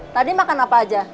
tadi makan apa aja